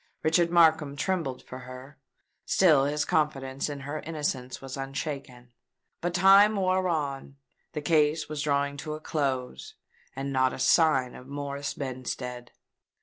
Richard Markham trembled for her: still his confidence in her innocence was unshaken. But time wore on: the case was drawing to a close;—and not a sign of Morris Benstead!